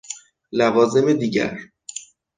لوازم دیگر: